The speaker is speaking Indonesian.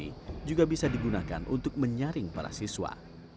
ini juga bisa digunakan untuk menyaring para siswa